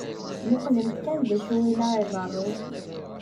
Muqlemt kan d acu i la iḍeṛṛun.